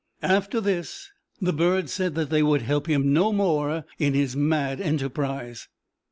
After this the birds said that they would help him no more in his mad enterprise.